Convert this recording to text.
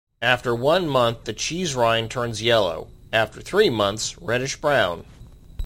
After one month, the cheese rind turns yellow; after three months, reddish brown.